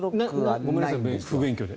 ごめんなさい不勉強で。